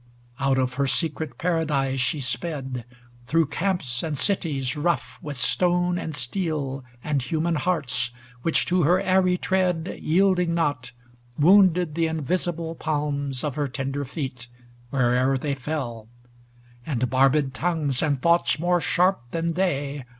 XXIV Out of her secret Paradise she sped. Through camps and cities rough with stone, and steel. And human hearts which, to her airy tread Yielding not, wounded the invisible Palms of her tender feet where'er they fell; And barbed tongues, and thoughts more sharp than they.